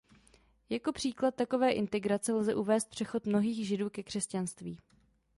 Jako příklad takové integrace lze uvést přechod mnohých Židů ke křesťanství.